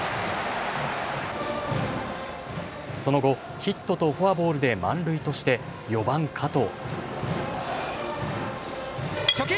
その後、ヒットとフォアボールで満塁として４番・加藤。